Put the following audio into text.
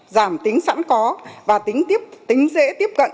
giảm tính sẵn có và tính dễ tiếp cận